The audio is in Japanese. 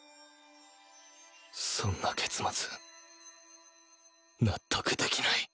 そんな結末納得できない！